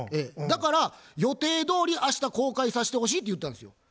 だから予定どおり明日公開させてほしい」って言ったんですよ。